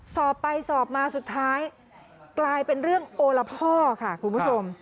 สอบไปสอบมาสุดท้ายกลายเป็นเรื่องโอละพ่อค่ะคุณผู้ชม